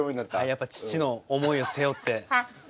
やっぱり父の思いを背負って。